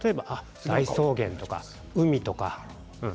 大草原とか、海とか。